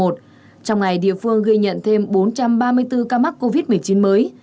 trong ngày địa phương ghi nhận thêm bốn trăm ba mươi bốn ca mắc covid một mươi chín mới